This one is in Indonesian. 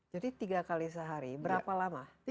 jadi tiga kali sehari berapa lama